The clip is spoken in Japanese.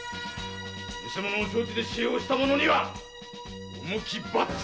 偽物を承知で使用した者には重き罰があると思え。